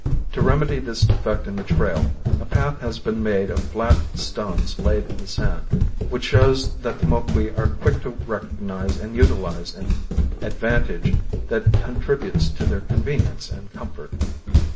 To remedy this defect in the trail, a path has been made of flat stones laid in the sand, which shows that the Moquis are quick to recognize and utilize an advantage that contributes to their convenience and comfort.